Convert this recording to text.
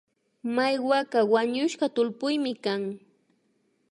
Maiwaka wañushka tullpuymi kan